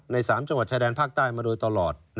๓จังหวัดชายแดนภาคใต้มาโดยตลอด